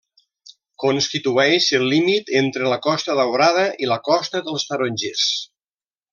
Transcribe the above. Constitueix el límit entre la costa Daurada i la costa dels Tarongers.